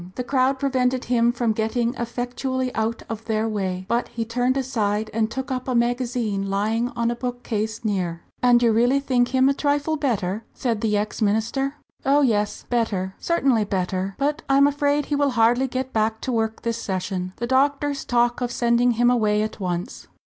The crowd prevented him from getting effectually out of their way, but he turned aside and took up a magazine lying on a bookcase near. "And you really think him a trifle better?" said the ex minister. "Oh, yes, better certainly better but I am afraid he will hardly get back to work this session the doctors talk of sending him away at once."